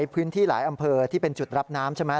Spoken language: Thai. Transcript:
พื้นที่หลายอำเภอที่เป็นจุดรับน้ำใช่ไหม